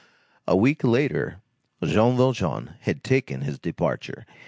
A week later, Jean Valjean had taken his departure.